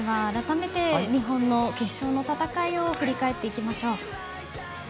改めて、日本の決勝の戦いを振り返っていきましょう。